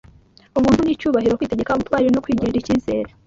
ubuntu n’icyubahiro, kwitegeka, ubutwari no kwigirira icyizere